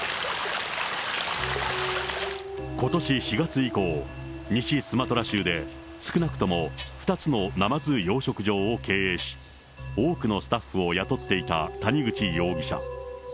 ことし４月以降、西スマトラ州で、少なくとも２つのナマズ養殖場を経営し、多くのスタッフを雇っていた谷口容疑者。